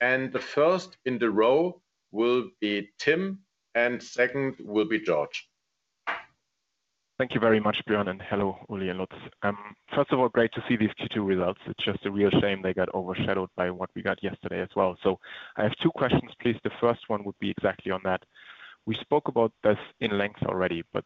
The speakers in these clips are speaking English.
The first in the row will be Tim, and second will be George. Thank you very much, Björn, and hello, Oli and Lutz. First of all, great to see these Q2 results. It's just a real shame they got overshadowed by what we got yesterday as well. I have two questions, please. The first one would be exactly on that. We spoke about this at length already, but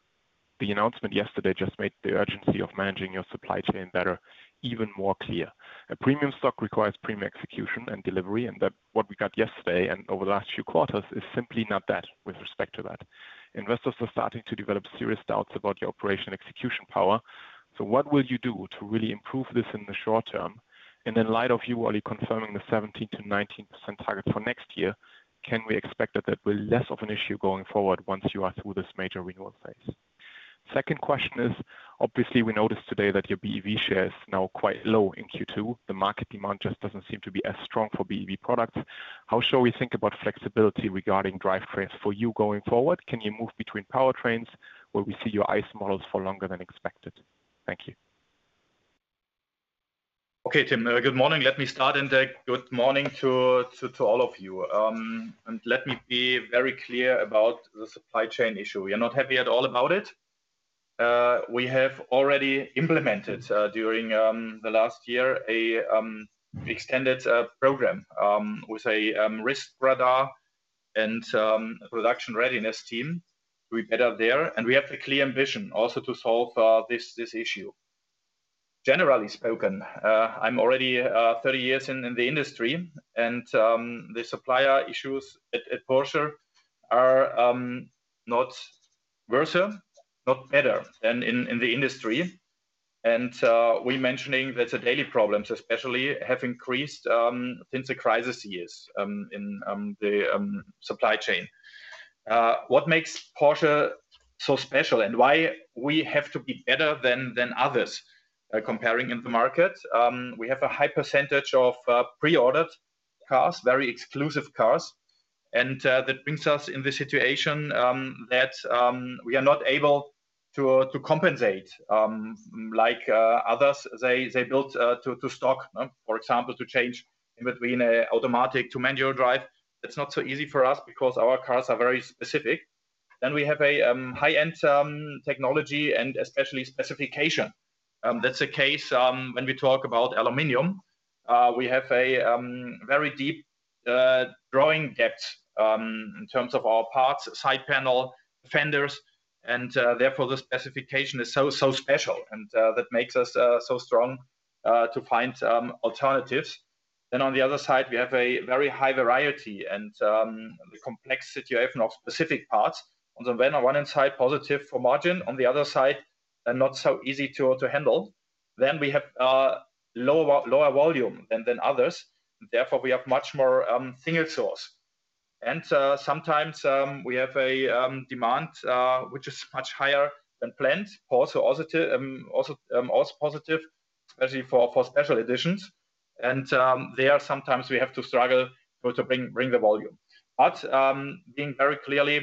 the announcement yesterday just made the urgency of managing your supply chain better, even more clear. A premium stock requires premium execution and delivery, and that what we got yesterday and over the last few quarters is simply not that, with respect to that. Investors are starting to develop serious doubts about your operation execution power. What will you do to really improve this in the short term? In light of you already confirming the 17%-19% target for next year, can we expect that that will be less of an issue going forward once you are through this major renewal phase? Second question is, obviously, we noticed today that your BEV share is now quite low in Q2. The market demand just doesn't seem to be as strong for BEV products. How shall we think about flexibility regarding drivetrains for you going forward? Can you move between powertrains, or we see your ICE models for longer than expected? Thank you. Okay, Tim, good morning. Let me start, and good morning to all of you. Let me be very clear about the supply chain issue. We are not happy at all about it. We have already implemented, during the last year, a extended program with a Risk Radar and production readiness team. We are better there, and we have the clear ambition also to solve this issue. Generally spoken, I'm already 30 years in the industry, and the supplier issues at Porsche are not worse, not better than in the industry. We're mentioning that the daily problems especially have increased since the crisis years in the supply chain. What makes Porsche so special and why we have to be better than others, comparing in the market, we have a high percentage of pre-ordered cars, very exclusive cars, and that brings us in the situation that we are not able to compensate, like others, they built to stock, for example, to change in between a automatic to manual drive. It's not so easy for us because our cars are very specific. Then we have a high-end technology and especially specification. That's the case when we talk about aluminum. We have a very deep drawing depth in terms of our parts, side panel, fenders, and therefore, the specification is so, so special, and that makes us so strong to find alternatives. Then on the other side, we have a very high variety and the complexity of specific parts. On the one side, positive for margin, on the other side, they're not so easy to handle. Then we have lower volume than others, therefore, we have much more single source. Sometimes we have a demand which is much higher than planned, also positive, especially for special editions, and there are sometimes we have to struggle to bring the volume. Being very clearly,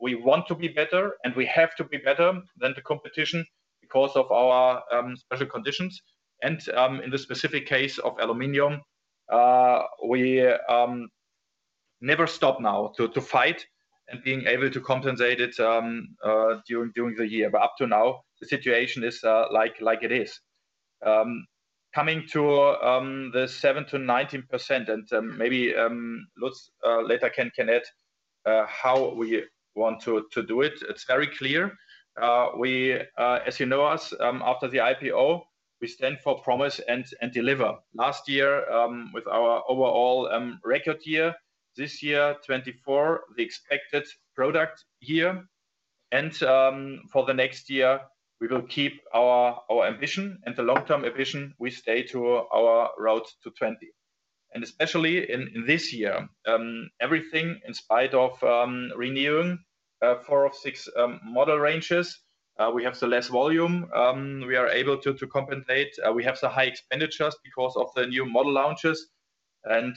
we want to be better, and we have to be better than the competition because of our special conditions. In the specific case of aluminum, we never stop now to fight and being able to compensate it during the year. Up to now, the situation is like it is. Coming to the 17%-19%, and maybe Lutz later can add how we want to do it. It's very clear, we as you know us after the IPO, we stand for promise and deliver. Last year with our overall record year, this year, 2024, the expected product year, and for the next year, we will keep our ambition and the long-term ambition, we stay to our Road to 20. Especially in this year, everything in spite of renewing 4 of 6 model ranges, we have the less volume, we are able to compensate. We have the high expenditures because of the new model launches, and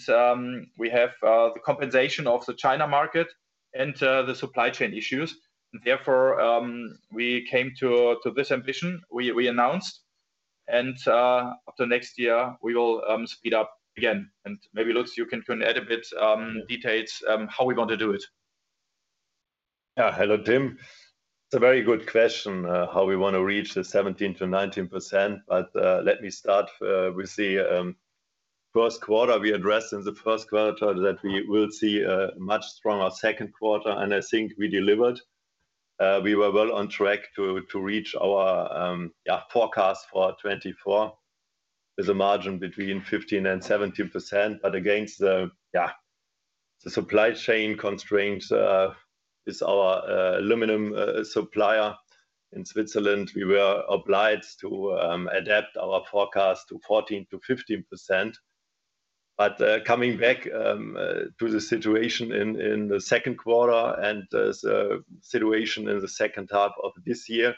we have the compensation of the China market and the supply chain issues. Therefore, we came to this ambition we announced, and after next year, we will speed up again. Maybe, Lutz, you can add a bit details how we're going to do it. Yeah. Hello, Tim. It's a very good question, how we want to reach the 17%-19%, but let me start with the first quarter. We addressed in the first quarter that we will see a much stronger second quarter, and I think we delivered. We were well on track to reach our forecast for 2024. There's a margin between 15%-17%, but against the supply chain constraints is our aluminum supplier in Switzerland, we were obliged to adapt our forecast to 14%-15%. But coming back to the situation in the second quarter and the situation in the second half of this year,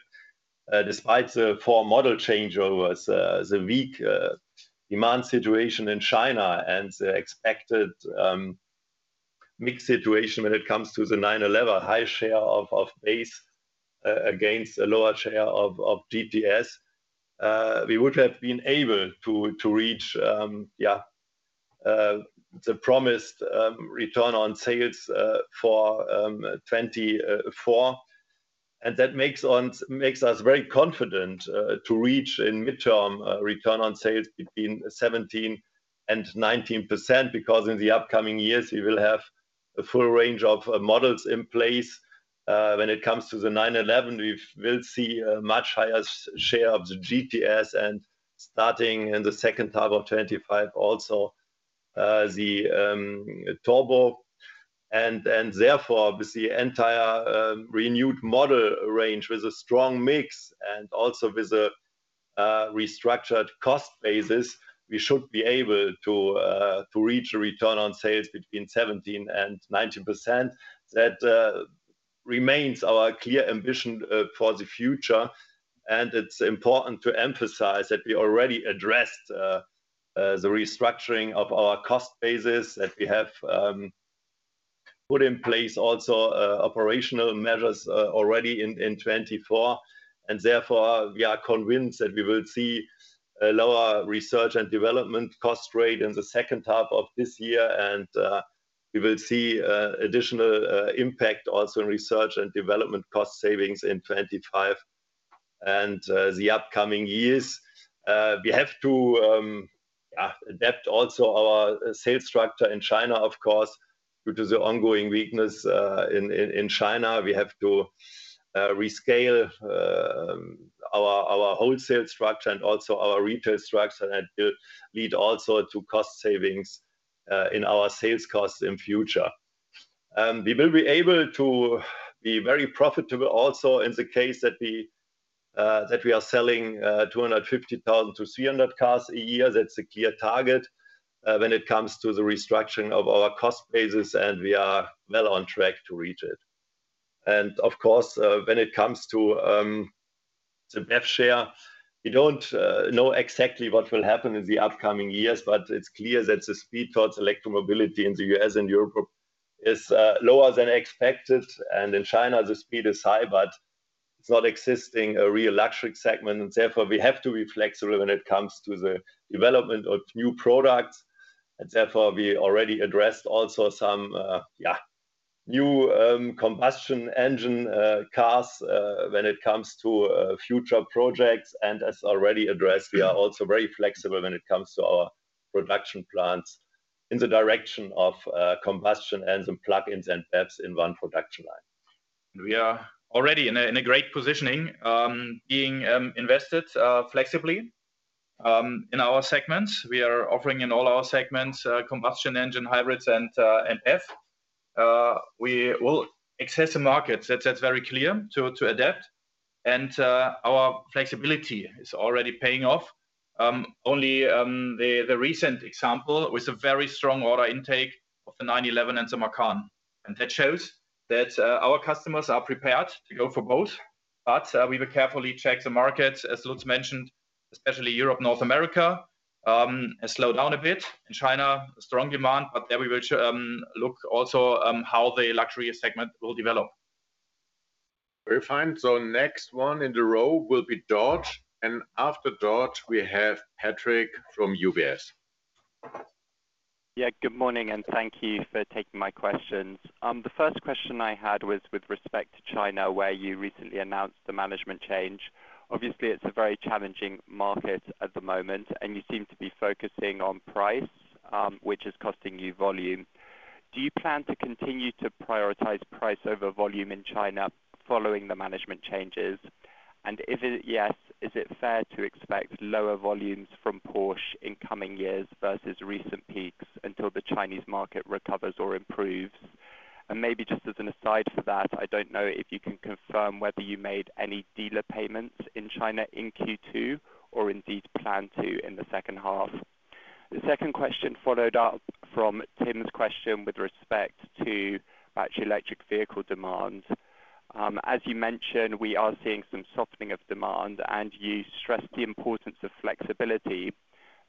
despite the four model changeovers, the weak demand situation in China and the expected mixed situation when it comes to the 911, high share of base against a lower share of GTS. We would have been able to reach the promised return on sales for 2024. That makes us very confident to reach in mid-term return on sales between 17% and 19%, because in the upcoming years, we will have a full range of models in place. When it comes to the 911, we'll see a much higher share of the GTS, and starting in the second half of 2025, also the Turbo and therefore, with the entire renewed model range with a strong mix and also with a restructured cost basis, we should be able to reach a return on sales between 17% and 19%. That remains our clear ambition for the future, and it's important to emphasize that we already addressed the restructuring of our cost basis, that we have put in place also operational measures already in 2024. Therefore, we are convinced that we will see a lower research and development cost rate in the second half of this year, and we will see additional impact also in research and development cost savings in 25 and the upcoming years. We have to adapt also our sales structure in China, of course, due to the ongoing weakness in China. We have to rescale our wholesale structure and also our retail structure, and it lead also to cost savings in our sales costs in future. We will be able to be very profitable also in the case that we are selling 250,000 cars-300,000 cars a year. That's the clear target, when it comes to the restructuring of our cost basis, and we are well on track to reach it. And of course, when it comes to the BEV share, we don't know exactly what will happen in the upcoming years, but it's clear that the speed towards electromobility in the U.S. and Europe is lower than expected, and in China, the speed is high, but it's not existing a real luxury segment, and therefore, we have to be flexible when it comes to the development of new products. And therefore, we already addressed also some new combustion engine cars when it comes to future projects. As already addressed, we are also very flexible when it comes to our production plants in the direction of, combustion engines and plug-ins and BEVs in one production line. We are already in a great positioning, being invested flexibly. In our segments, we are offering in all our segments, combustion engine hybrids and EVs. We will access the markets, that's very clear, to adapt, and our flexibility is already paying off. Only the recent example with a very strong order intake of the 911 and the Macan, and that shows that our customers are prepared to go for both. But we will carefully check the markets, as Lutz mentioned, especially Europe, North America, has slowed down a bit. In China, strong demand, but there we will show, look also, how the luxury segment will develop. Very fine. So next one in the row will be George, and after George, we have Patrick from UBS. Yeah, good morning, and thank you for taking my questions. The first question I had was with respect to China, where you recently announced the management change. Obviously, it's a very challenging market at the moment, and you seem to be focusing on price, which is costing you volume. Do you plan to continue to prioritize price over volume in China following the management changes? And if yes, is it fair to expect lower volumes from Porsche in coming years versus recent peaks until the Chinese market recovers or improves? And maybe just as an aside to that, I don't know if you can confirm whether you made any dealer payments in China in Q2, or indeed plan to in the second half. The second question followed up from Tim's question with respect to battery electric vehicle demand. As you mentioned, we are seeing some softening of demand, and you stressed the importance of flexibility.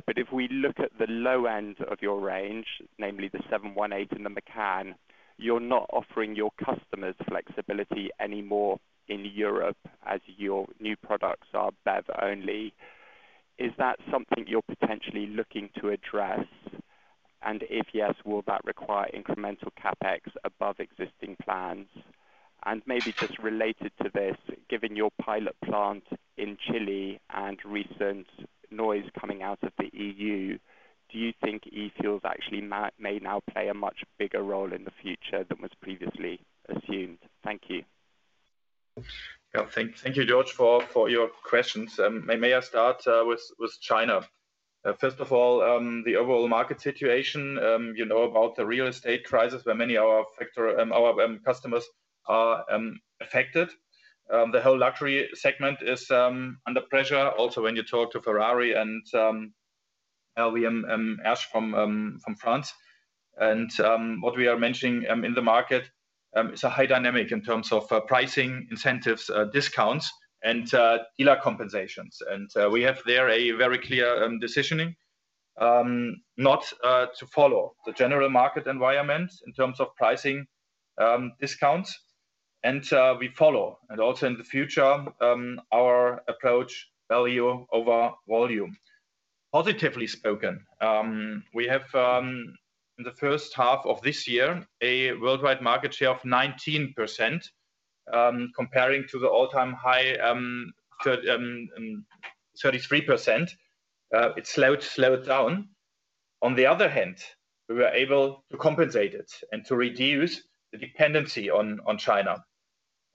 But if we look at the low end of your range, namely the 718 and the Macan, you're not offering your customers flexibility anymore in Europe as your new products are BEV only. Is that something you're potentially looking to address? And if yes, will that require incremental CapEx above existing plans? And maybe just related to this, given your pilot plant in Chile and recent noise coming out of the EU, do you think e-fuels actually may now play a much bigger role in the future than was previously assumed? Thank you. Yeah. Thank you, George, for your questions. May I start with China? First of all, the overall market situation, you know about the real estate crisis, where many of our factories, our customers are affected. The whole luxury segment is under pressure. Also, when you talk to Ferrari and LVMH from France. And what we are mentioning in the market, it's a high dynamic in terms of pricing, incentives, discounts, and dealer compensations. And we have there a very clear decision not to follow the general market environment in terms of pricing, discounts, and we follow, and also in the future, our approach value over volume. Positively spoken, we have, in the first half of this year, a worldwide market share of 19%, comparing to the all-time high, 33%. It slowed down. On the other hand, we were able to compensate it and to reduce the dependency on China.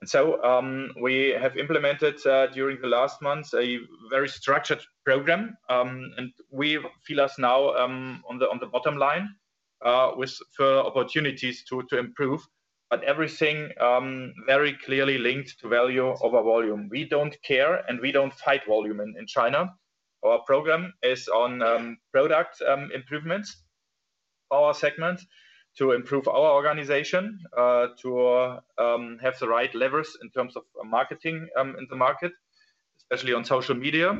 And so, we have implemented, during the last months, a very structured program, and we feel us now, on the bottom line, with the opportunities to improve, but everything very clearly linked to value over volume. We don't care, and we don't fight volume in China. Our program is on, product, improvements, our segment, to improve our organization, to have the right levers in terms of marketing, in the market, especially on social media.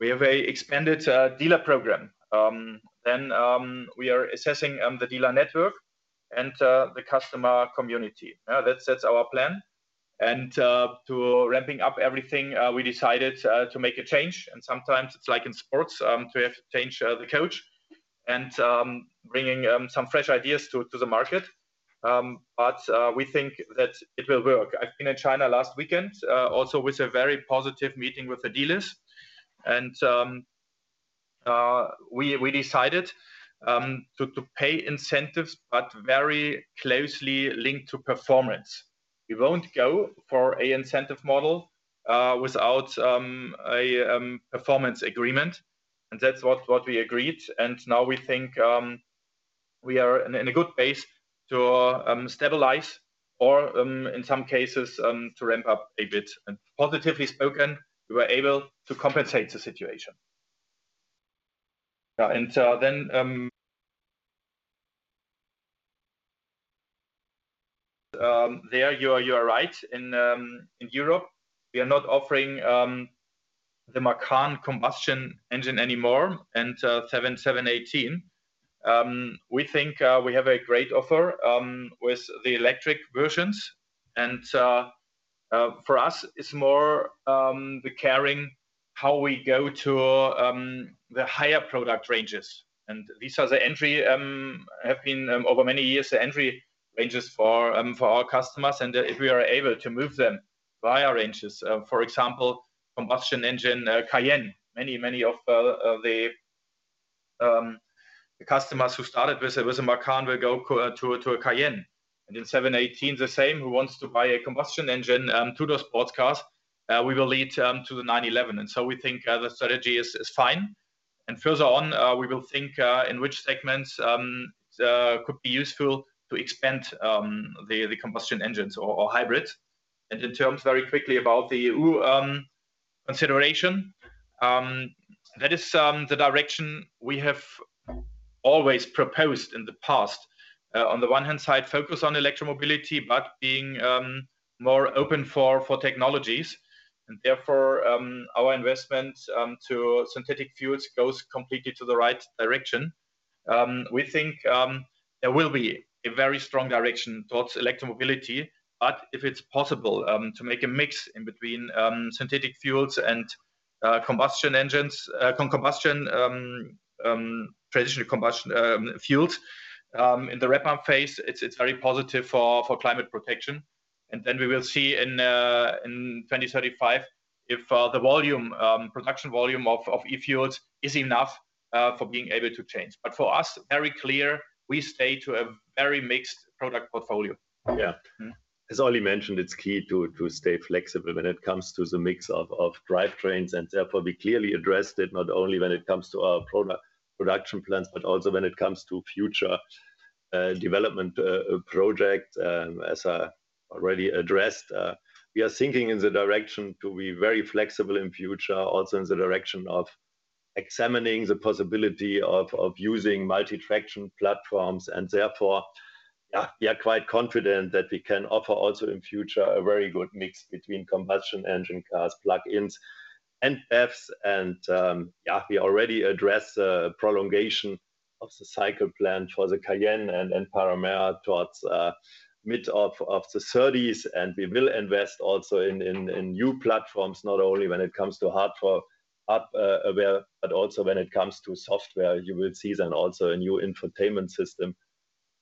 We have an expanded dealer program. Then, we are assessing the dealer network and the customer community. Now, that's our plan. And, to ramping up everything, we decided to make a change, and sometimes it's like in sports, to change the coach, and bringing some fresh ideas to the market. But we think that it will work. I've been in China last weekend, also with a very positive meeting with the dealers, and we decided to pay incentives, but very closely linked to performance. We won't go for a incentive model without a performance agreement, and that's what we agreed, and now we think we are in a good base to stabilize or in some cases to ramp up a bit. And positively spoken, we were able to compensate the situation. Yeah, and there you are, you are right. In Europe, we are not offering the Macan combustion engine anymore, and 718. We think we have a great offer with the electric versions, and for us, it's more the caring how we go to the higher product ranges. These are the entry have been over many years, the entry ranges for our customers, and if we are able to move them via ranges, for example, combustion engine Cayenne. Many, many of the customers who started with a Macan will go to a Cayenne. And in 718, the same, who wants to buy a combustion engine to the sports car, we will lead to the 911. And so we think the strategy is fine. And further on, we will think in which segments could be useful to expand the combustion engines or hybrids. And in terms very quickly about the consideration that is the direction we have always proposed in the past. On the one hand side, focus on electromobility, but being more open for technologies, and therefore, our investment to synthetic fuels goes completely to the right direction. We think there will be a very strong direction towards electromobility, but if it's possible to make a mix in between synthetic fuels and combustion engines, traditional combustion fuels in the ramp-up phase, it's very positive for climate protection. And then we will see in 2035 if the production volume of e-fuels is enough for being able to change. But for us, very clear, we stay to a very mixed product portfolio. Yeah. As Oli mentioned, it's key to stay flexible when it comes to the mix of drivetrains, and therefore, we clearly addressed it, not only when it comes to our product production plans, but also when it comes to future development project. As I already addressed, we are thinking in the direction to be very flexible in future, also in the direction of examining the possibility of using multi-traction platforms, and therefore, yeah, we are quite confident that we can offer also in future, a very good mix between combustion engine cars, plug-ins, and BEVs. And, yeah, we already addressed prolongation of the cycle plan for the Cayenne and Panamera towards mid-30s, and we will invest also in new platforms, not only when it comes to hardware, but also when it comes to software; you will see then also a new infotainment system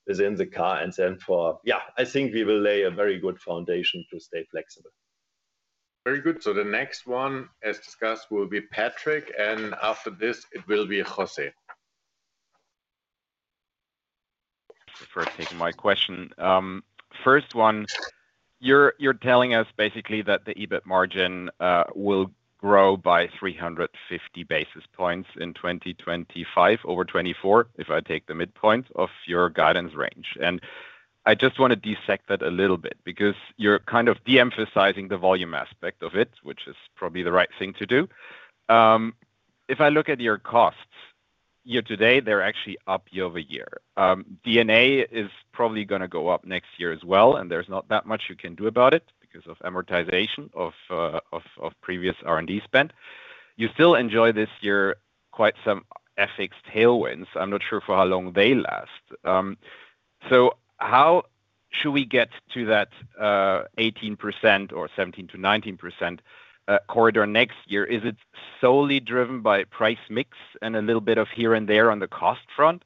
is in the car. And therefore, yeah, I think we will lay a very good foundation to stay flexible. Very good. So the next one, as discussed, will be Patrick, and after this, it will be Jose. For taking my question. First one, you're telling us basically that the EBIT margin will grow by 350 basis points in 2025 over 2024, if I take the midpoint of your guidance range. I just want to dissect that a little bit because you're kind of de-emphasizing the volume aspect of it, which is probably the right thing to do. If I look at your costs year-to-date, they're actually up year-over-year. D&A is probably gonna go up next year as well, and there's not that much you can do about it because of amortization of previous R&D spend. You still enjoy this year quite some FX tailwinds. I'm not sure for how long they last. So how should we get to that 18% or 17%-19%, quarter next year? Is it solely driven by price mix and a little bit of here and there on the cost front?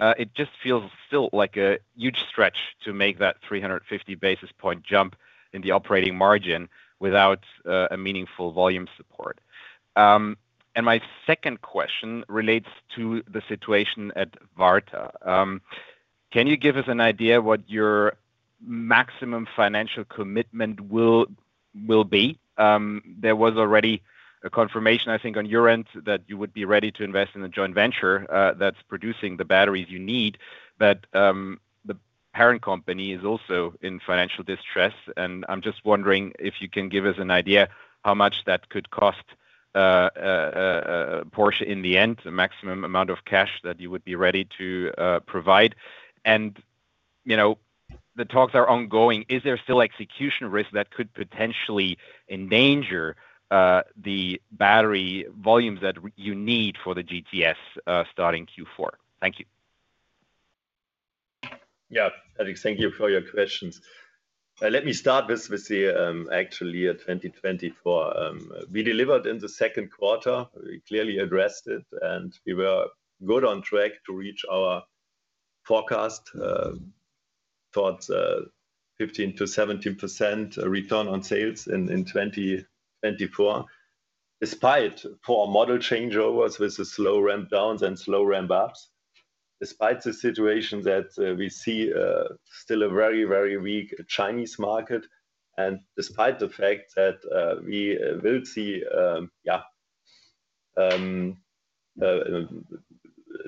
It just feels still like a huge stretch to make that 350 basis point jump in the operating margin without a meaningful volume support. And my second question relates to the situation at Varta. Can you give us an idea what your maximum financial commitment will, will be? There was already a confirmation, I think, on your end, that you would be ready to invest in a joint venture that's producing the batteries you need, but the parent company is also in financial distress, and I'm just wondering if you can give us an idea how much that could cost Porsche in the end, the maximum amount of cash that you would be ready to provide. You know, the talks are ongoing. Is there still execution risk that could potentially endanger the battery volumes that you need for the GTS starting Q4? Thank you. Yeah, Alex, thank you for your questions. Let me start with actually 2024. We delivered in the second quarter. We clearly addressed it, and we were good on track to reach our forecast towards 15%-17% return on sales in 2024, despite poor model changeovers with the slow ramp downs and slow ramp ups, despite the situation that we see still a very, very weak Chinese market, and despite the fact that we will see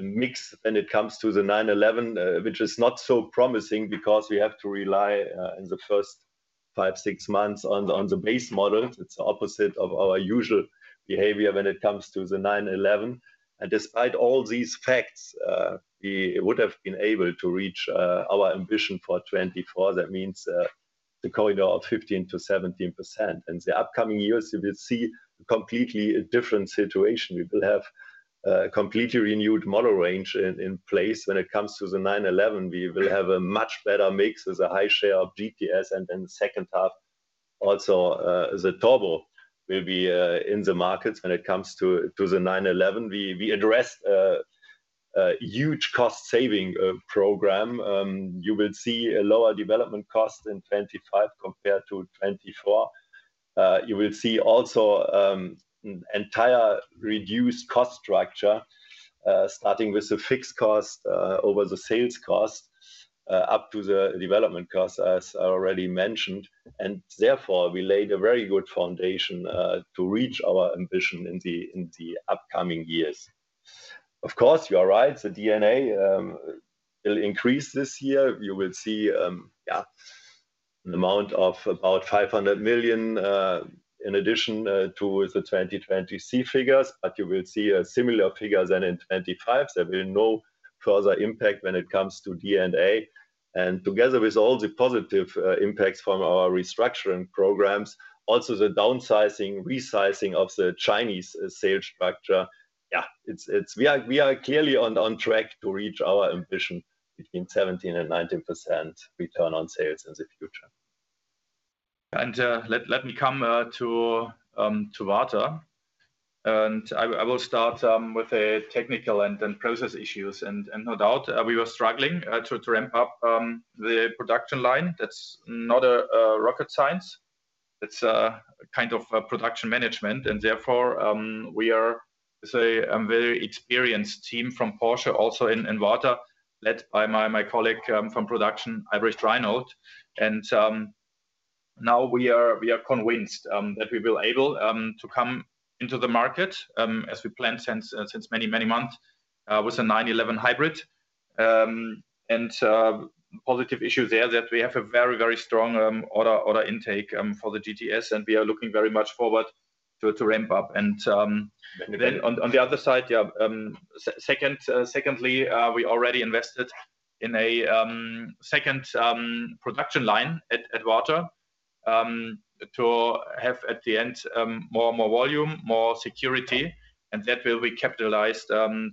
mix when it comes to the 911, which is not so promising because we have to rely in the first 5, 6 months on the base model. It's the opposite of our usual behavior when it comes to the 911. Despite all these facts, we would have been able to reach our ambition for 2024. That means the corridor of 15%-17%. In the upcoming years, we will see completely a different situation. We will have a completely renewed model range in place when it comes to the 911, we will have a much better mix as a high share of GTS, and then the second half, also, the Turbo will be in the markets when it comes to the 911. We addressed a huge cost saving program. You will see a lower development cost in 2025 compared to 2024. You will see also, entire reduced cost structure, starting with the fixed cost, over the sales cost, up to the development cost, as I already mentioned, and therefore, we laid a very good foundation, to reach our ambition in the, in the upcoming years. Of course, you are right, the D&A, it'll increase this year. You will see, yeah, an amount of about 500 million, in addition, to the 2023 figures, but you will see a similar figure than in 2025. There will be no further impact when it comes to D&A. Together with all the positive impacts from our restructuring programs, also the downsizing, resizing of the Chinese sales structure, yeah, it's we are clearly on track to reach our ambition between 17% and 19% return on sales in the future. Let me come to Varta. I will start with a technical and then process issues, and no doubt, we were struggling to ramp up the production line. That's not a rocket science. It's a kind of a production management, and therefore, we are, say, a very experienced team from Porsche, also in Varta, led by my colleague from production, Albrecht Reimold. Now we are convinced that we will able to come into the market as we planned since many months with a 911 hybrid. Positive issue there, that we have a very strong order intake for the GTS, and we are looking very much forward to ramp up. Then, on the other side, yeah, second, secondly, we already invested in a second production line at Varta to have, at the end, more volume, more security, and that will be capitalized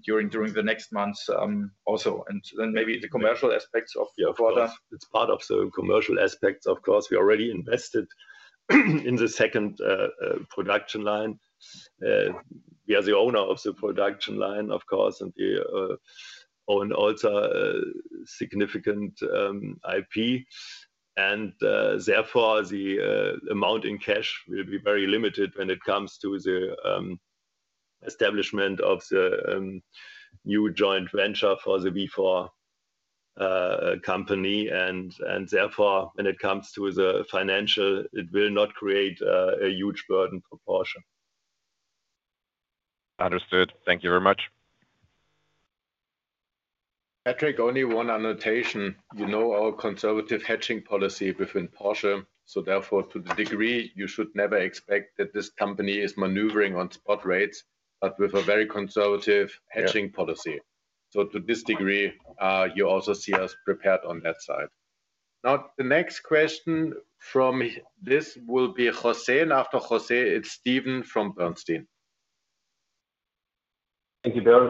during the next months, also. And then maybe the commercial aspects of Varta- Yeah, of course, it's part of the commercial aspects. Of course, we already invested in the second production line. We are the owner of the production line, of course, and we own also a significant IP, and therefore, the amount in cash will be very limited when it comes to the establishment of the new joint venture for the V4Drive company. And therefore, when it comes to the financial, it will not create a huge burden for Porsche. Understood. Thank you very much. Patrick, only one annotation, you know, our conservative hedging policy within Porsche, so therefore, to the degree, you should never expect that this company is maneuvering on spot rates, but with a very conservative hedging policy. Yeah. So to this degree, you also see us prepared on that side. Now, the next question from this will be Jose, and after Jose, it's Stephen from Bernstein. Thank you, Björn.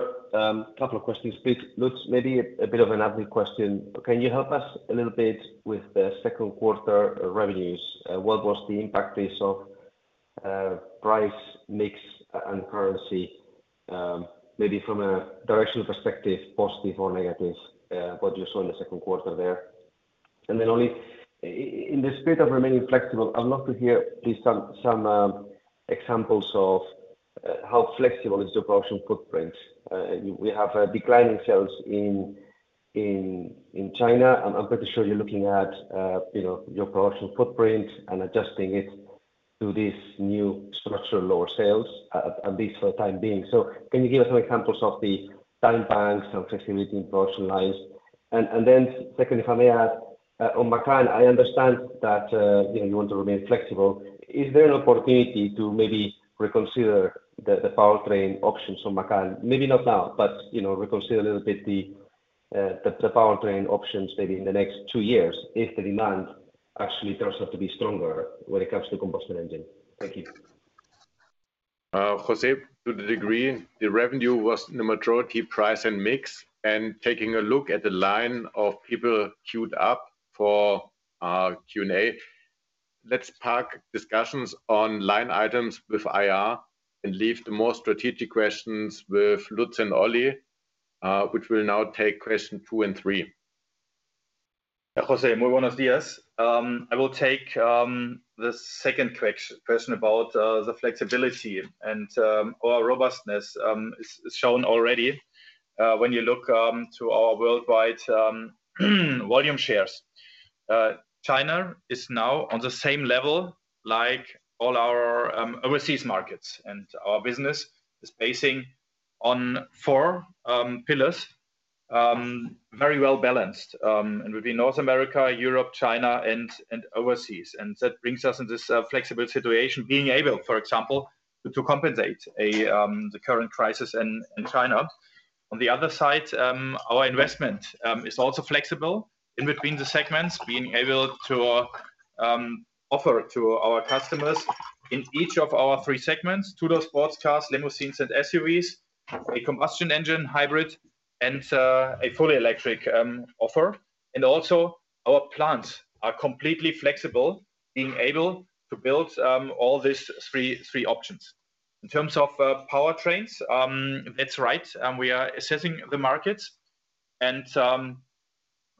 A couple of questions, please. Lutz, maybe a bit of an odd question, but can you help us a little bit with the second quarter revenues? What was the impacts of price, mix, and currency, maybe from a directional perspective, positive or negative, what you saw in the second quarter there? And then only in the spirit of remaining flexible, I'd love to hear please some examples of how flexible is the production footprint. We have declining sales in China, and I'm pretty sure you're looking at, you know, your production footprint and adjusting it to this new structural lower sales, at least for the time being. So can you give us some examples of the timeframes of flexibility in production lines? And then secondly, if I may add, on Macan, I understand that, you know, you want to remain flexible. Is there an opportunity to maybe reconsider the powertrain options on Macan? Maybe not now, but, you know, reconsider a little bit the powertrain options maybe in the next two years, if the demand actually turns out to be stronger when it comes to combustion engine. Thank you. Jose, to the degree, the revenue was the majority price and mix, and taking a look at the line of people queued up for Q&A, let's park discussions on line items with IR and leave the more strategic questions with Lutz and Oli, which will now take question 2 and 3. Jose, buenos días. I will take the second question about the flexibility and our robustness is shown already when you look to our worldwide volume shares. China is now on the same level like all our Overseas markets, and our business is basing on four pillars very well balanced and within North America, Europe, China, and Overseas. And that brings us in this flexible situation, being able, for example, to compensate the current crisis in China. On the other side, our investment is also flexible in between the segments, being able to offer to our customers in each of our three segments, two-door sports cars, limousines, and SUVs, a combustion engine, hybrid, and a fully electric offer. And also, our plants are completely flexible, being able to build all these three options. In terms of powertrains, that's right, and we are assessing the markets, and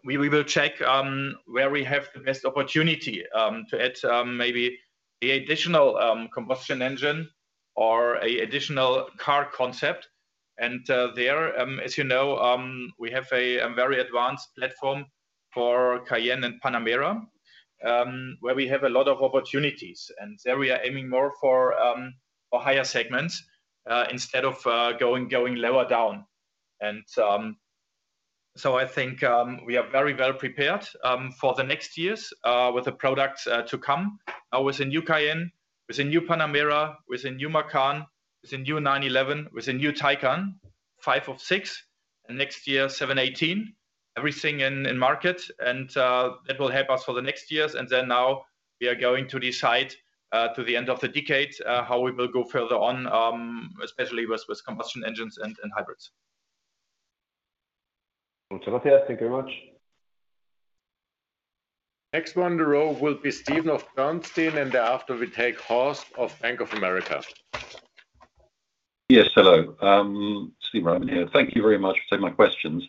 we will check where we have the best opportunity to add maybe a additional combustion engine or a additional car concept. And there, as you know, we have a very advanced platform for Cayenne and Panamera, where we have a lot of opportunities, and there we are aiming more for higher segments instead of going lower down. And so I think we are very well prepared for the next years with the products to come. Now, with the new Cayenne, with the new Panamera, with the new Macan, with the new 911, with the new Taycan, five of six, and next year, 718, everything in market, and that will help us for the next years. And then now, we are going to decide to the end of the decade how we will go further on, especially with combustion engines and hybrids. Muchas gracias. Thank you very much. Next one in the row will be Stephen of Bernstein, and thereafter, we take Horst of Bank of America. Yes, hello. Stephen Reitman here. Thank you very much for taking my questions.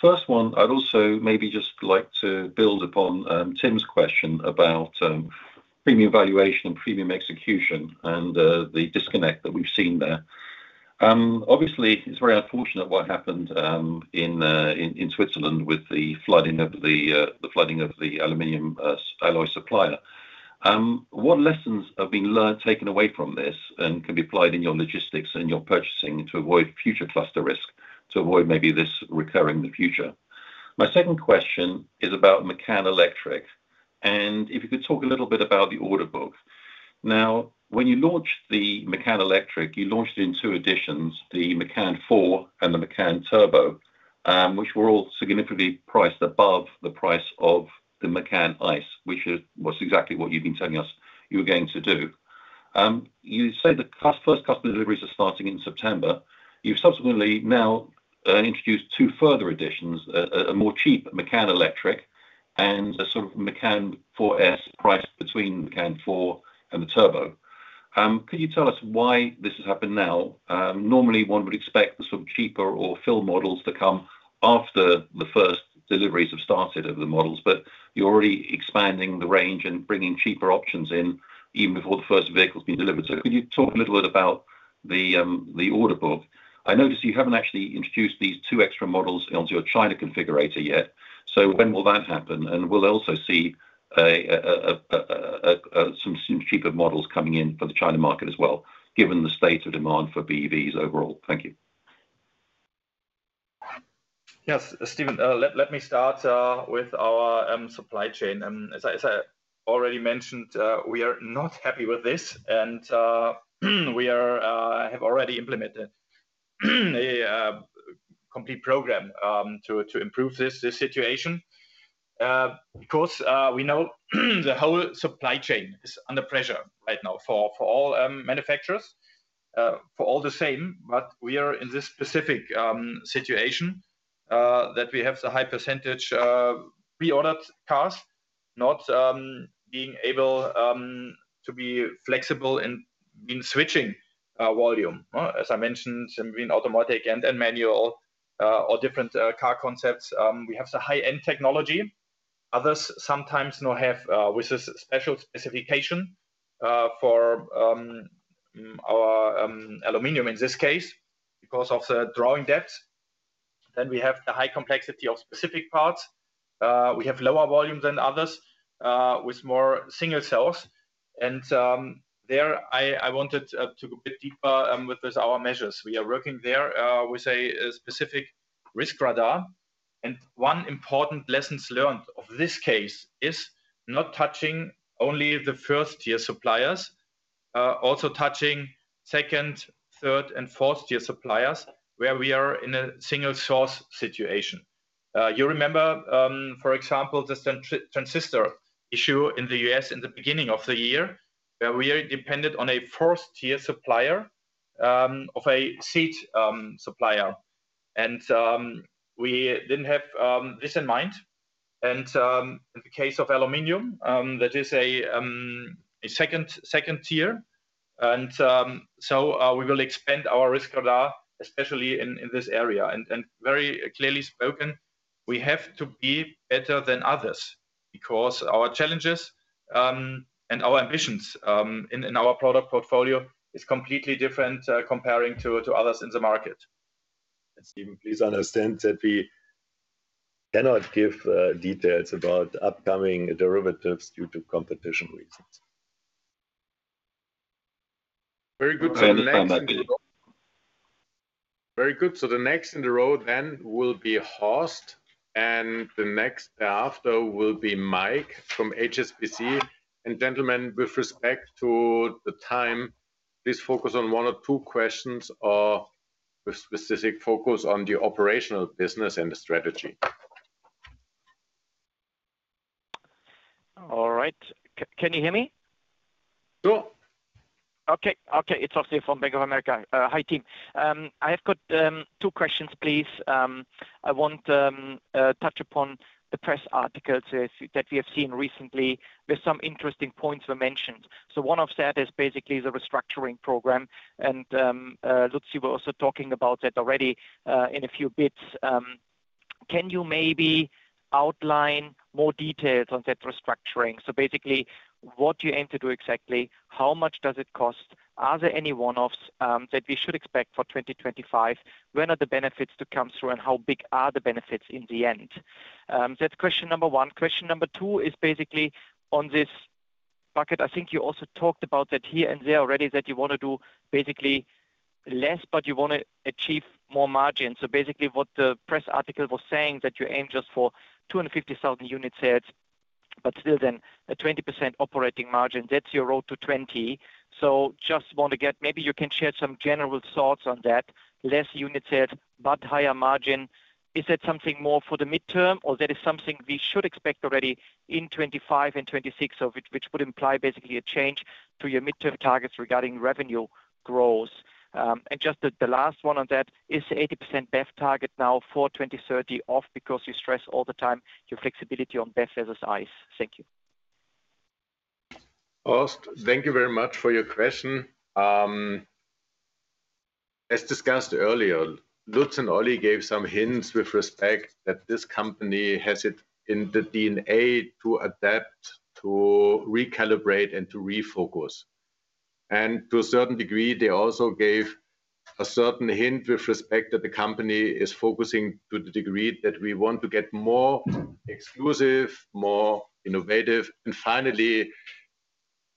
First one, I'd also maybe just like to build upon Tim's question about premium valuation and premium execution and the disconnect that we've seen there. Obviously, it's very unfortunate what happened in Switzerland with the flooding of the aluminum alloy supplier. What lessons have been learned, taken away from this and can be applied in your logistics and your purchasing to avoid future cluster risk, to avoid maybe this reoccurring in the future? My second question is about Macan Electric, and if you could talk a little bit about the order book. Now, when you launched the Macan Electric, you launched it in two editions, the Macan 4 and the Macan Turbo, which were all significantly priced above the price of the Macan ICE, which was exactly what you've been telling us you were going to do. You said the first customer deliveries are starting in September. You've subsequently now introduced two further editions, a more cheap Macan Electric and a sort of Macan 4S, priced between Macan 4 and the Turbo. Could you tell us why this has happened now? Normally, one would expect the sort of cheaper or fill models to come after the first deliveries have started of the models, but you're already expanding the range and bringing cheaper options in, even before the first vehicle's been delivered. So could you talk a little bit about the order book? I noticed you haven't actually introduced these two extra models onto your China configurator yet, so when will that happen? And will we also see some cheaper models coming in for the China market as well, given the state of demand for BEVs overall? Thank you. Yes, Stephen, let me start with our supply chain. As I already mentioned, we are not happy with this, and we have already implemented a complete program to improve this situation. Because we know the whole supply chain is under pressure right now for all manufacturers, for all the same. But we are in this specific situation that we have the high percentage pre-ordered cars, not being able to be flexible in switching volume. As I mentioned, between automatic and manual or different car concepts. We have the high-end technology. Others sometimes no have with a special specification for our aluminum in this case, because of the drawing depth. Then we have the high complexity of specific parts. We have lower volume than others with more single source. And there I wanted to go a bit deeper with this, our measures. We are working there with a specific Risk Radar. And one important lessons learned of this case is not touching only the first-tier suppliers, also touching second, third, and fourth-tier suppliers, where we are in a single-source situation. You remember, for example, the transistor issue in the U.S. in the beginning of the year, where we are dependent on a first-tier supplier of a seat supplier, and we didn't have this in mind. And in the case of aluminum, that is a second-tier. We will expand our Risk Radar, especially in this area. Very clearly spoken, we have to be better than others because our challenges and our ambitions in our product portfolio is completely different comparing to others in the market. Stephen, please understand that we cannot give details about upcoming derivatives due to competition reasons. Very good. So the next Very good. So the next in the row then will be Horst, and the next after will be Mike from HSBC. Gentlemen, with respect to the time, please focus on one or two questions or with specific focus on the operational business and the strategy. All right. Can you hear me? Sure. Okay. Okay, it's Horst here from Bank of America. Hi, team. I have got two questions, please. I want touch upon the press articles that we have seen recently, where some interesting points were mentioned. So one of that is basically the restructuring program, and Lutz, you were also talking about that already in a few bits. Can you maybe outline more details on that restructuring? So basically, what you aim to do exactly, how much does it cost? Are there any one-offs that we should expect for 2025? When are the benefits to come through, and how big are the benefits in the end? That's question number one. Question number two is basically on this bucket. I think you also talked about that here and there already, that you wanna do basically less, but you wanna achieve more margin. So basically, what the press article was saying, that you aim just for 250,000 unit sales, but still then a 20% operating margin. That's your Road to 20. So just want to get. Maybe you can share some general thoughts on that. Less unit sales, but higher margin. Is that something more for the midterm, or that is something we should expect already in 2025 and 2026, so which, which would imply basically a change to your midterm targets regarding revenue growth? And just the, the last one on that, is the 80% BEV target now for 2030 off because you stress all the time your flexibility on BEV ICEs. Thank you. Horst, thank you very much for your question. As discussed earlier, Lutz and Oli gave some hints with respect that this company has it in the DNA to adapt, to recalibrate, and to refocus. To a certain degree, they also gave a certain hint with respect that the company is focusing to the degree that we want to get more exclusive, more innovative, and finally,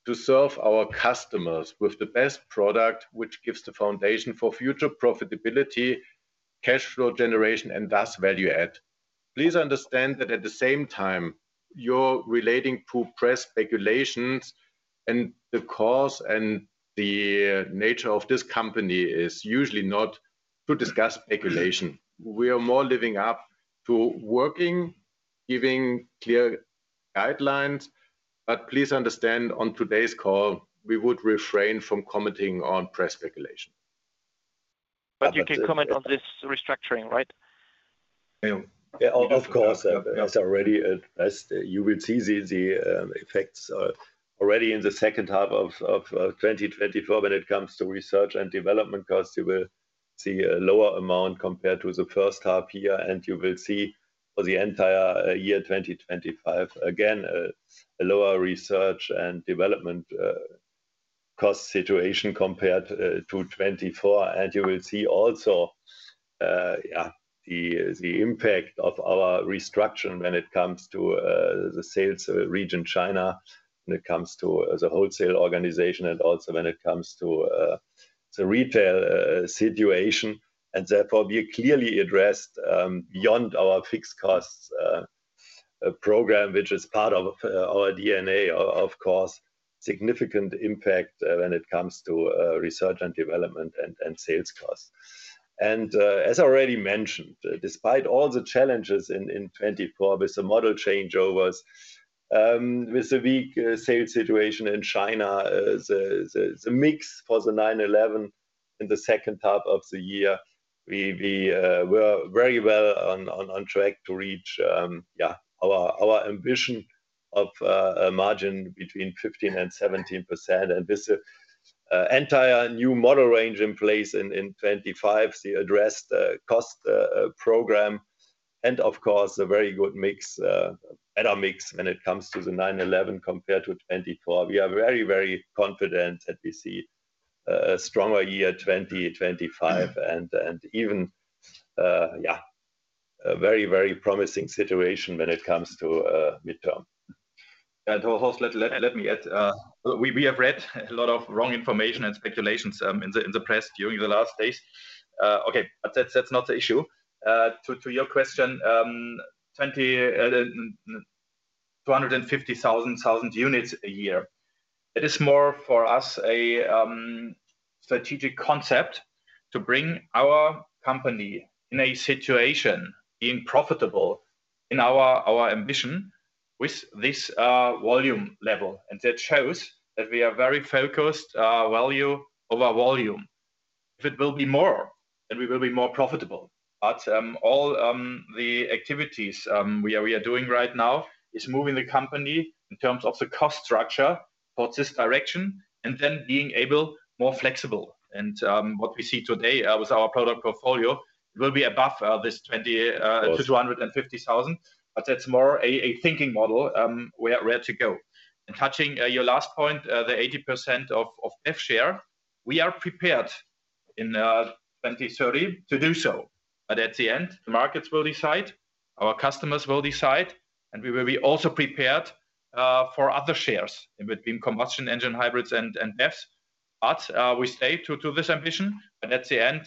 to serve our customers with the best product, which gives the foundation for future profitability, cash flow generation, and thus, value add. Please understand that at the same time, you're relating to press speculations, and the course and the nature of this company is usually not to discuss speculation. We are more living up to working, giving clear guidelines. Please understand, on today's call, we would refrain from commenting on press speculation. You can comment on this restructuring, right? Yeah. Of course, as already addressed, you will see the effects already in the second half of 2024 when it comes to research and development costs. You will see a lower amount compared to the first half year, and you will see for the entire year 2025, again, a lower research and development cost situation compared to 2024. And you will see also the impact of our restructure when it comes to the sales region China, when it comes to the wholesale organization, and also when it comes to the retail situation. And therefore, we clearly addressed beyond our fixed costs a program which is part of our D&A, of course, significant impact when it comes to research and development and sales costs. As already mentioned, despite all the challenges in 2024 with the model changeovers, with the weak sales situation in China, the mix for the 911 in the second half of the year, we are very well on track to reach our ambition of a margin between 15%-17%. And with the entire new model range in place in 2025, the address, the cost, program, and of course, a very good mix, better mix when it comes to the 911 compared to 2024. We are very, very confident that we see a stronger year, 2025, and even a very, very promising situation when it comes to midterm. Horst, let me add, we have read a lot of wrong information and speculations in the press during the last days. Okay, but that's not the issue. To your question, 250,000 units a year, it is more for us a strategic concept to bring our company in a situation, being profitable in our ambition with this volume level. And that shows that we are very focused, value over volume. If it will be more, then we will be more profitable. But all the activities we are doing right now is moving the company in terms of the cost structure towards this direction, and then being able more flexible. What we see today, with our product portfolio, will be above this 20-250,000, but that's more a thinking model, we are ready to go. Touching your last point, the 80% of F share, we are prepared in 2030 to do so. But at the end, the markets will decide, our customers will decide, and we will be also prepared for other shares in between combustion engine hybrids and EVs. But we stay to this ambition, and at the end,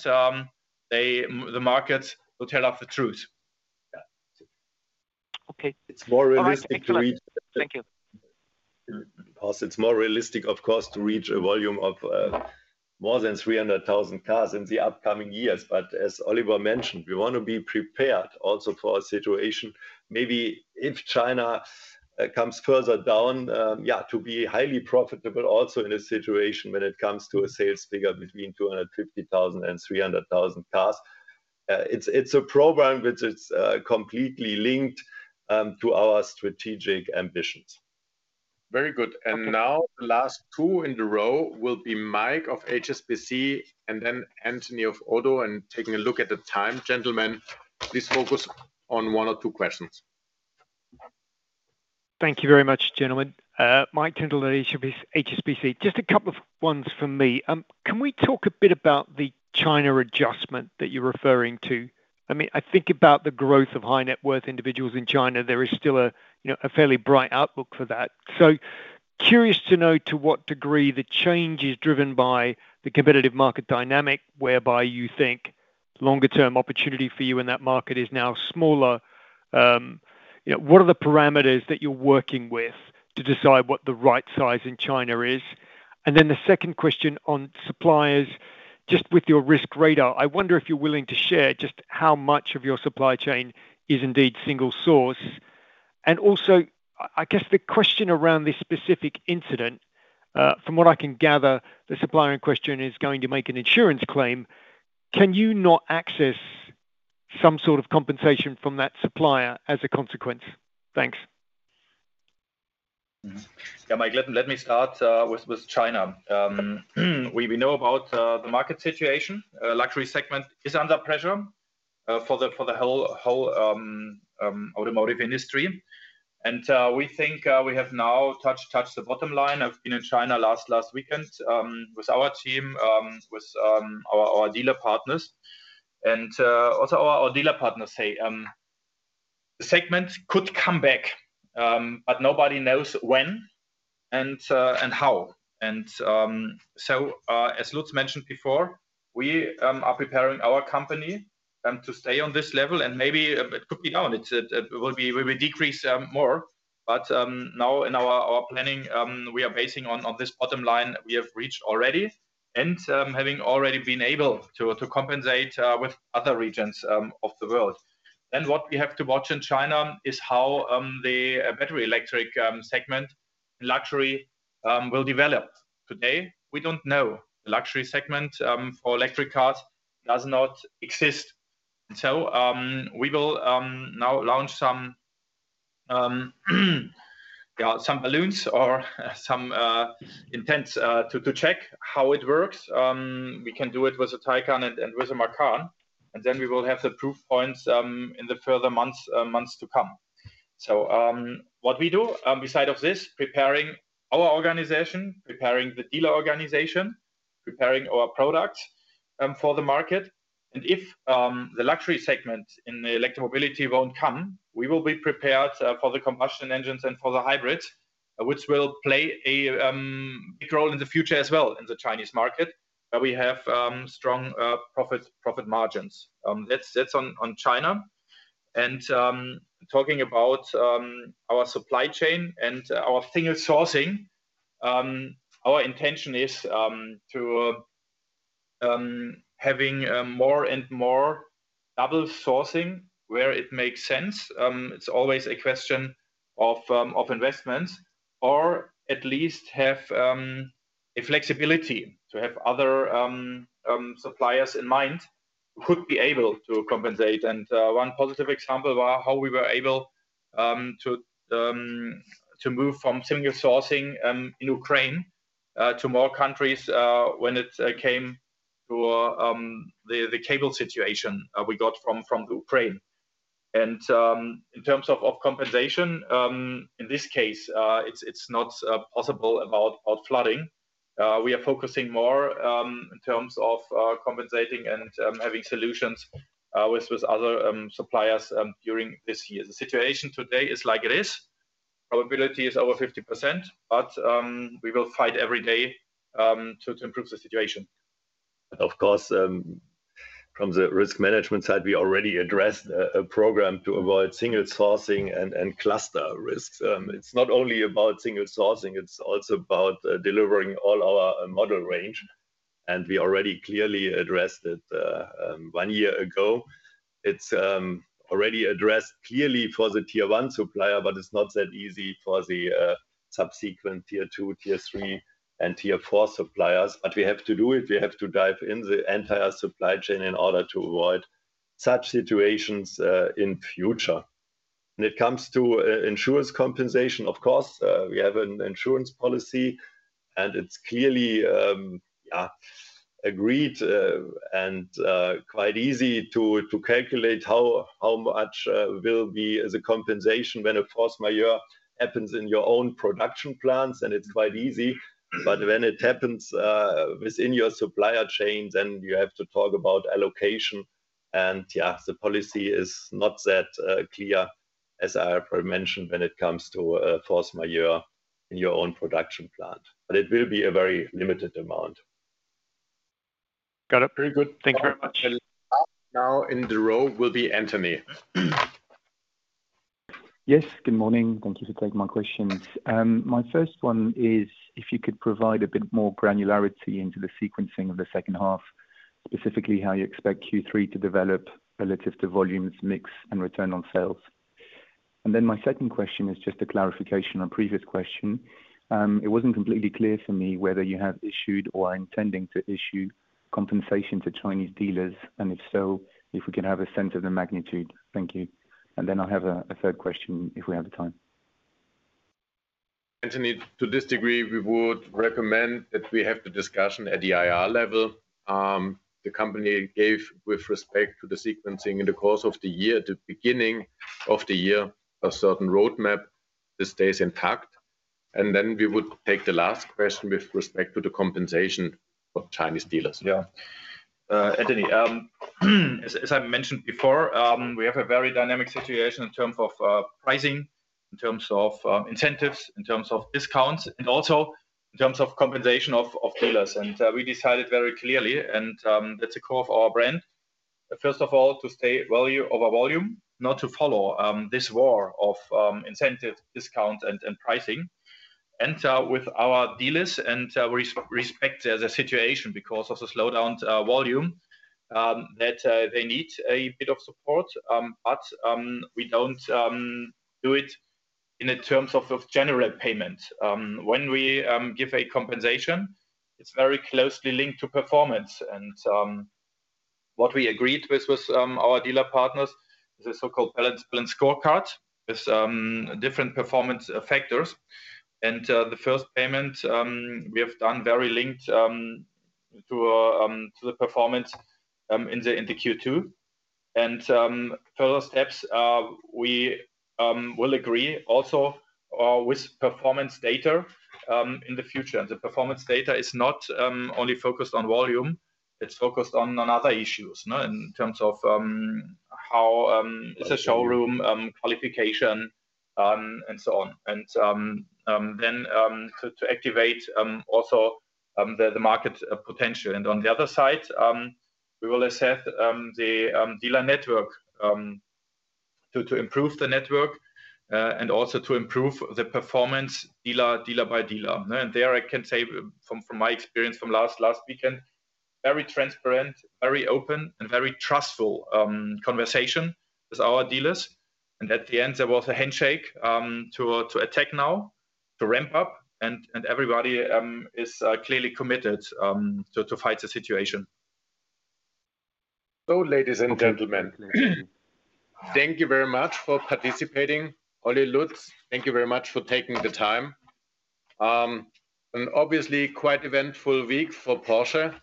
the markets will tell us the truth. Yeah. Okay. It's more realistic to reach- Thank you. Horst, it's more realistic, of course, to reach a volume of more than 300,000 cars in the upcoming years. But as Oliver mentioned, we want to be prepared also for a situation, maybe if China comes further down, yeah, to be highly profitable, also in a situation when it comes to a sales figure between 250,000 and 300,000 cars. It's a program which is completely linked to our strategic ambitions. Very good. And now the last two in the row will be Mike of HSBC and then Anthony of ODDO. And taking a look at the time, gentlemen, please focus on one or two questions. Thank you very much, gentlemen. Mike Tyndall at HSBC. Just a couple of ones from me. Can we talk a bit about the China adjustment that you're referring to? I mean, I think about the growth of high-net-worth individuals in China, there is still a, you know, a fairly bright outlook for that. So curious to know to what degree the change is driven by the competitive market dynamic, whereby you think longer-term opportunity for you in that market is now smaller. You know, what are the parameters that you're working with to decide what the right size in China is? And then the second question on suppliers. Just with your Risk Radar, I wonder if you're willing to share just how much of your supply chain is indeed single source. Also, I guess the question around this specific incident, from what I can gather, the supplier in question is going to make an insurance claim. Can you not access some sort of compensation from that supplier as a consequence? Thanks. Mm-hmm. Yeah, Mike, let me start with China. We know about the market situation. Luxury segment is under pressure for the whole automotive industry. We think we have now touched the bottom line. I've been in China last weekend with our team with our dealer partners. Also our dealer partners say the segment could come back, but nobody knows when and how. So as Lutz mentioned before, we are preparing our company to stay on this level, and maybe it could be down. It will be we will decrease more, but now in our planning we are basing on this bottom line that we have reached already, and having already been able to compensate with other regions of the world. Then what we have to watch in China is how the battery electric segment luxury will develop. Today, we don't know. The luxury segment for electric cars does not exist. So we will now launch some yeah some balloons or some intents to check how it works. We can do it with a Taycan and with a Macan, and then we will have the proof points in the further months to come. So, what we do, beside of this, preparing our organization, preparing the dealer organization, preparing our product, for the market. And if the luxury segment in the electric mobility won't come, we will be prepared for the combustion engines and for the hybrids. Which will play a big role in the future as well in the Chinese market, where we have strong profit margins. That's on China. Talking about our supply chain and our single sourcing, our intention is to having more and more double sourcing where it makes sense. It's always a question of investment or at least have a flexibility to have other suppliers in mind who could be able to compensate. One positive example of how we were able to move from single sourcing in Ukraine to more countries when it came to the cable situation we got from Ukraine. And in terms of compensation, in this case, it's not possible about flooding. We are focusing more in terms of compensating and having solutions with other suppliers during this year. The situation today is like it is. Probability is over 50%, but we will fight every day to improve the situation. Of course, from the risk management side, we already addressed a program to avoid single sourcing and cluster risks. It's not only about single sourcing, it's also about delivering all our model range, and we already clearly addressed it one year ago. It's already addressed clearly for the Tier One supplier, but it's not that easy for the subsequent Tier 2, Tier 3, and Tier 4 suppliers. But we have to do it. We have to dive in the entire supply chain in order to avoid such situations in future. When it comes to insurance compensation, of course, we have an insurance policy, and it's clearly agreed and quite easy to calculate how much will be the compensation when a force majeure happens in your own production plants, and it's quite easy. But when it happens, within your supplier chain, then you have to talk about allocation, and, yeah, the policy is not that, clear, as I already mentioned, when it comes to, force majeure in your own production plant. But it will be a very limited amount. Got it. Very good. Thank you very much. Now, in the row will be Anthony. Yes, good morning. Thank you for taking my questions. My first one is, if you could provide a bit more granularity into the sequencing of the second half, specifically, how you expect Q3 to develop relative to volumes, mix, and return on sales. And then my second question is just a clarification on previous question. It wasn't completely clear to me whether you have issued or are intending to issue compensation to Chinese dealers, and if so, if we can have a sense of the magnitude. Thank you. And then I have a third question, if we have the time. Anthony, to this degree, we would recommend that we have the discussion at the IR level. The company gave with respect to the sequencing in the course of the year, the beginning of the year, a certain roadmap. This stays intact. And then we would take the last question with respect to the compensation of Chinese dealers. Yeah. Anthony, as I mentioned before, we have a very dynamic situation in terms of pricing, in terms of incentives, in terms of discounts, and also in terms of compensation of dealers. And we decided very clearly, and that's the core of our brand, first of all, to stay value over volume, not to follow this war of incentive, discount, and pricing. And with our dealers and respect the situation because of the slowdown volume that they need a bit of support. But we don't do it in the terms of general payment. When we give a compensation, it's very closely linked to performance. And what we agreed with our dealer partners is a so-called Balanced Scorecard, with different performance factors. And the first payment we have done very linked to the performance in the Q2. Further steps we will agree also with performance data in the future. And the performance data is not only focused on volume, it's focused on other issues, you know, in terms of how is the showroom qualification and so on. And then to activate also the market potential. And on the other side, we will assess the dealer network to improve the network and also to improve the performance dealer by dealer. And there, I can say from my experience from last weekend, very transparent, very open, and very trustful conversation with our dealers. At the end, there was a handshake to attack now, to ramp up, and everybody is clearly committed to fight the situation. So ladies and gentlemen, thank you very much for participating. Oli, Lutz, thank you very much for taking the time. And obviously, quite eventful week for Porsche,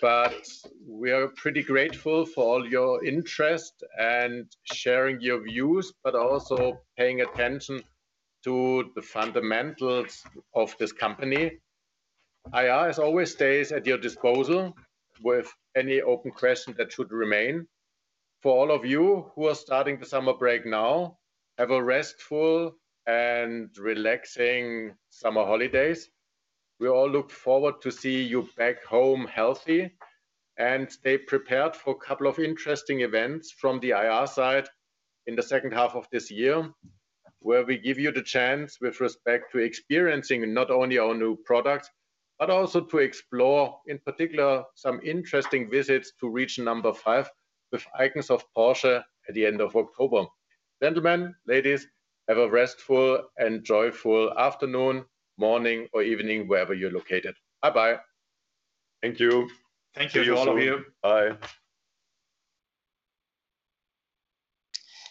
but we are pretty grateful for all your interest and sharing your views, but also paying attention to the fundamentals of this company. IR, as always, stays at your disposal with any open questions that should remain. For all of you who are starting the summer break now, have a restful and relaxing summer holidays. We all look forward to see you back home healthy, and stay prepared for a couple of interesting events from the IR side in the second half of this year, where we give you the chance, with respect to experiencing not only our new products, but also to explore, in particular, some interesting visits to Region Number Five, with Icons of Porsche at the end of October. Gentlemen, ladies, have a restful and joyful afternoon, morning, or evening, wherever you're located. Bye-bye. Thank you. Thank you, all of you. Bye.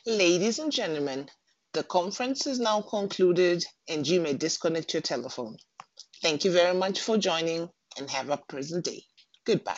Ladies and gentlemen, the conference is now concluded, and you may disconnect your telephone. Thank you very much for joining, and have a pleasant day. Goodbye.